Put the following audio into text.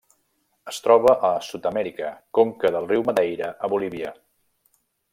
Es troba a Sud-amèrica: conca del riu Madeira a Bolívia.